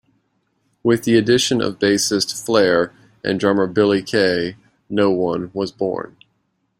With the addition of bassist Flare and drummer Billy K, No One was born.